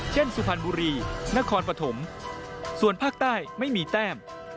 สุพรรณบุรีนครปฐมส่วนภาคใต้ไม่มีแต้ม